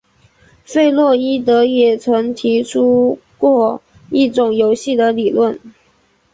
弗洛伊德也曾提出过一种游戏的理论。